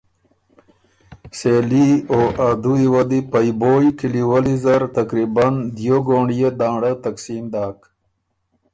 سېلي او ا دُوي وه دی پئ بویٛ کلی ولی زر تقریباً دیو ګونړيې دانړۀ تقسیم داک